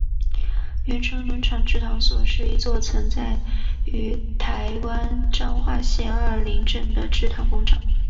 源成农场制糖所是一座曾存在于台湾彰化县二林镇的制糖工厂。